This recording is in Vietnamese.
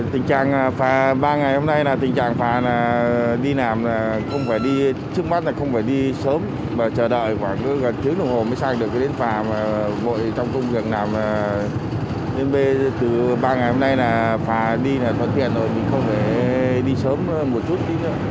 trước ba ngày hôm nay phả đi là thuận tiện rồi không phải đi sớm một chút